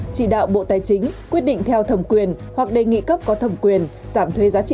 chỉ đạo bộ tài chính quyết định theo thầm quyền hoặc đề nghị cấp có thầm quyền giảm thuế giá trị